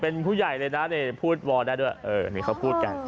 เป็นผู้ใหญ่เลยนะพูดวอลได้ด้วยเออนี่เขาพูดกัน